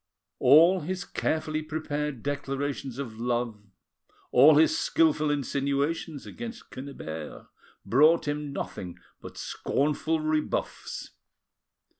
All his carefully prepared declarations of love, all his skilful insinuations against Quennebert, brought him nothing but scornful rebuffs.